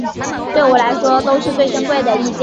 对我来说都是最珍贵的意见